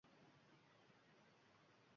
Qulog'im og'riyapti.